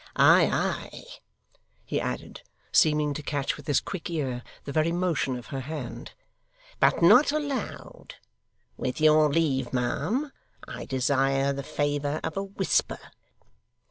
Ay, ay,' he added, seeming to catch with his quick ear the very motion of her hand, 'but not aloud. With your leave, ma'am, I desire the favour of a whisper.